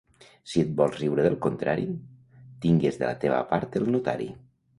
Si et vols riure del contrari, tingues de la teva part el notari.